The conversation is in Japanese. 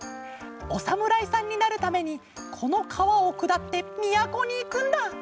おさむらいさんになるためにこのかわをくだってみやこにいくんだ。